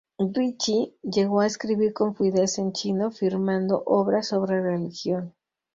Ricci llegó a escribir con fluidez en chino firmando obras sobre religión.